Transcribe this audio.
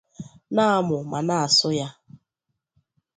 na-amụ ma na-asụ ya